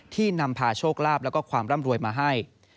ที่นำพาโชคลาภและความร่ำรวยมาให้